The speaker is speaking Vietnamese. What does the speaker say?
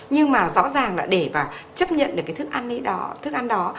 nhưng mà rõ ràng là để và chấp nhận được cái thức ăn đó